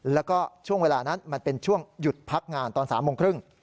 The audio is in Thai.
แล้วก็ช่วงเวลานั้นมันเป็นช่วงหยุดพักงานตอน๓โมงครึ่ง